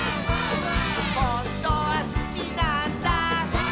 「ほんとはすきなんだ」